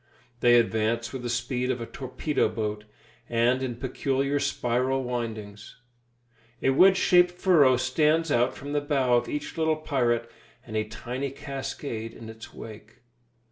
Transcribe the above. They advance with the speed of a torpedo boat, and in peculiar spiral windings. A wedge shaped furrow stands out from the bow of each little pirate, and a tiny cascade in his wake.